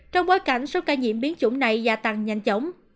trong bối cảnh số ca nhiễm biến chủng này gia tăng nhanh chóng